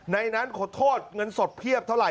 ในนั้นขอโทษเงินสดเพียบเท่าไห